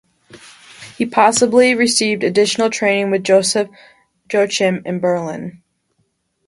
He possibly received additional training with Joseph Joachim in Berlin.